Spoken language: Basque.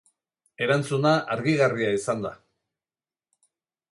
Erantzuna argigarria izan da.